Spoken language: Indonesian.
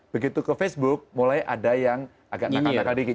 begitu ke facebook mulai ada yang agak nakal nakal dikit